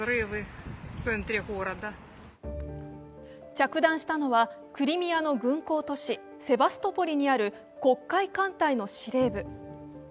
着弾したのはクリミアの軍港都市セバストポリにある黒海艦隊の司令部。